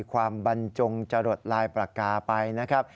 ความบรรจงจรดลายปากกาไปนะครับ